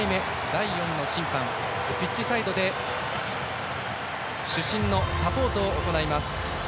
第４の審判としてピッチサイドで主審のサポートを行います。